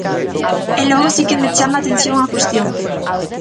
E logo si que me chama a atención unha cuestión.